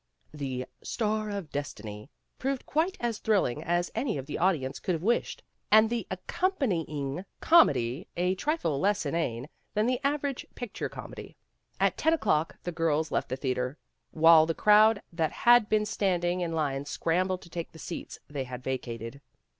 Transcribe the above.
The '' Star of Destiny '' proved quite as thrill ing as any of the audience could have wished, and the accompanying comedy a trifle less inane than the average picture comedy. At ten o'clock the girls left the theater, while the crowd that had been standing in line scrambled to take the seats they had vacated.